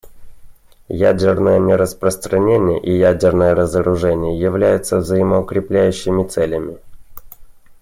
Ядерное нераспространение и ядерное разоружение являются взаимоукрепляющими целями.